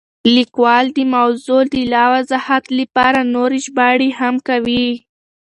لیکوال د موضوع د لا وضاحت لپاره نورې ژباړې هم کوي.